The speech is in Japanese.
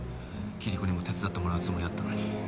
キリコにも手伝ってもらうつもりだったのに